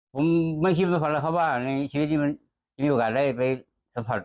ผมไม่คิดว่าพอละเขาว่าในชีวิตที่มันมีโอกาสได้ไปสำพัด